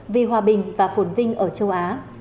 vì hòa bình và phồn vinh ở châu á